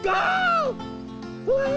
うわ！